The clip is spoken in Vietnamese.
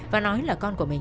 và nói là con của mình